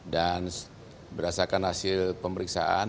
dan berdasarkan hasil pemeriksaan